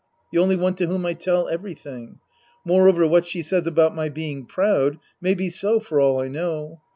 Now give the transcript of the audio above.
The only one to whom I tell eveiything. Moreover, what she says about my being proud may be so for all I know.